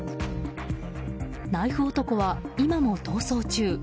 ナイフ男は今も逃走中。